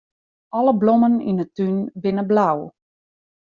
Alle blommen yn 'e tún binne blau.